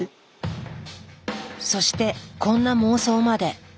そしてこんな妄想まで。